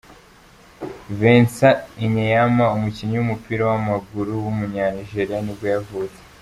Vincent Enyeama, umukinnyi w’umupira w’amaguru w’umunyanigeriya nibwo yavutse.